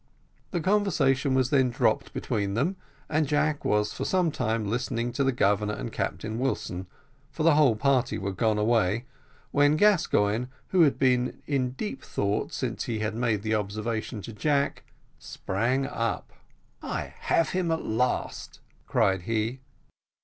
The conversation was then dropped between them, and Jack was for some time listening to the Governor and Captain Wilson, for the whole party were gone away, when Gascoigne, who had been in deep thought since he had made the observation to Jack, sprang up. "I have him at last!" cried he.